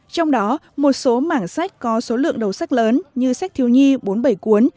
trong đó một số mảng sách có số lượng đầu sách lớn như sách thiếu nhi bốn mươi bảy cuốn